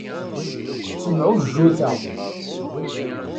Ttemɛujjuteɣ.